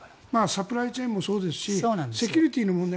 サプライチェーンもそうですしセキュリティーの問題